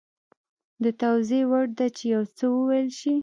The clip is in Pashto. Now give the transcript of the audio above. د توضیح وړ ده چې یو څه وویل شي